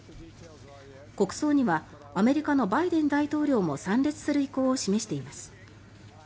国葬にはアメリカのバイデン大統領も参列する意向を示しています。